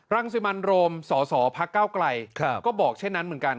รังสิวิมันโรมสสพกก็บอกเช่นนั้นเหมือนกัน